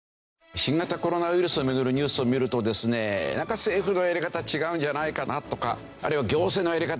新型コロナウイルスを巡るニュースを見るとですねなんか政府のやり方違うんじゃないかなとかあるいは行政のやり方